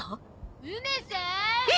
梅さん？